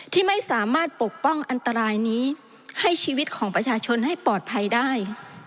ที่ไม่สามารถปกป้องอันตรายนี้ให้ชีวิตของประชาชนให้ปลอดภัยได้